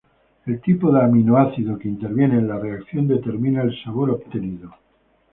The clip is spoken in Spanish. El tipo de aminoácido que interviene en la reacción determinará el sabor obtenido.